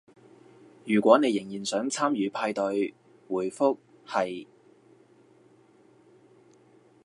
如果你仍然想參與派對，回覆係